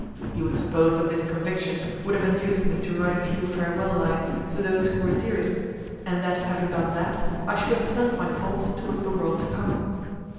You would suppose that this conviction would have induced me to write a few farewell lines to those who were dearest, and that having done that, I should have turned my thoughts towards the world to come.